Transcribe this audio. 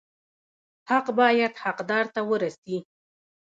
حق باید حقدار ته ورسي